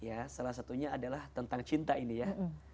ya salah satunya adalah tentang cinta ini ya